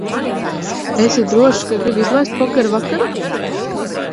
Esi drošs, ka gribi izlaist pokera vakaru?